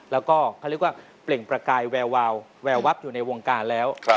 แล้วก็เขาเรียกว่าเปล่งประกายแวววาวแววับอยู่ในวงการแล้ว